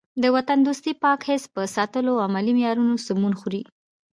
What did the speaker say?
د وطن دوستۍ پاک حس په ساتلو او علمي معیارونو سمون خوري.